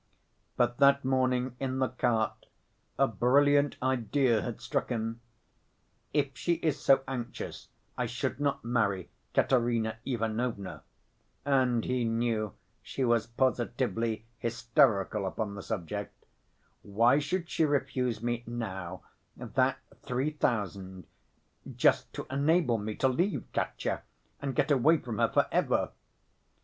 But that morning in the cart a brilliant idea had struck him: "If she is so anxious I should not marry Katerina Ivanovna" (and he knew she was positively hysterical upon the subject) "why should she refuse me now that three thousand, just to enable me to leave Katya and get away from her for ever.